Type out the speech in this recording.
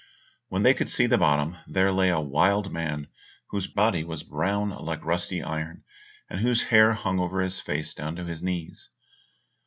When they could see to the bottom there lay a wild man whose body was brown like rusty iron, and whose hair hung over his face down to his knees.